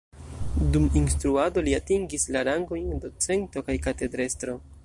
Dum instruado li atingis la rangojn docento kaj katedrestro.